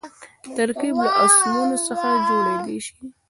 ترکیب له اسمونو څخه جوړېدای سي.